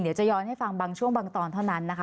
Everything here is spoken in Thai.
เดี๋ยวจะย้อนให้ฟังบางช่วงบางตอนเท่านั้นนะคะ